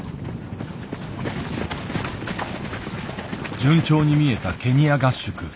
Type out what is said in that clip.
順調に見えたケニア合宿。